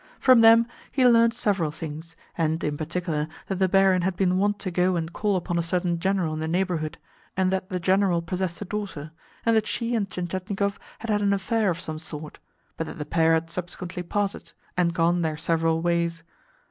From them he learnt several things, and, in particular, that the barin had been wont to go and call upon a certain General in the neighbourhood, and that the General possessed a daughter, and that she and Tientietnikov had had an affair of some sort, but that the pair had subsequently parted, and gone their several ways.